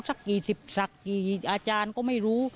สักกี่สิบศักดิ์กี่อาจารย์ก็ไม่รู้